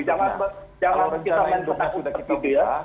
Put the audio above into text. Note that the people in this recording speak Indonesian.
jangan kita main petak umpet gitu ya